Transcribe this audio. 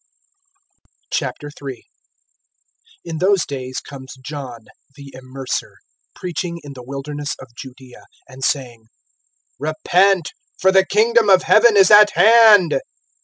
III. IN those days comes John the Immerser, preaching in the wilderness of Judaea, (2)and saying: Repent, for the kingdom of heaven is at hand.